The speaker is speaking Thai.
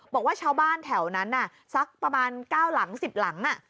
บอกว่าชาวบ้านแถวนั้นสักประมาณ๙หลัง๑๐หลัง